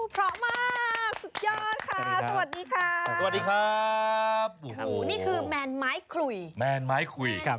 พร้อมมากสุดยอดค่ะสวัสดีครับ